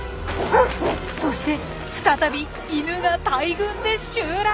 そして再びイヌが大群で襲来！